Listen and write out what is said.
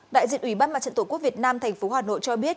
đại diện ủy ban mặt trận tổ quốc việt nam tp hà nội cho biết